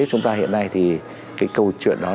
chúng ta hiện nay thì cái câu chuyện đó